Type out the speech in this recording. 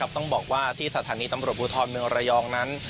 ต้องบอกว่าที่สถานีตำรวจภูทรเมืองระยองนั้น